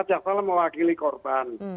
jaksa mewakili korban